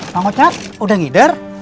pak mocat udah ngider